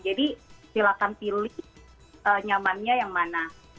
jadi silakan pilih nyamannya yang mana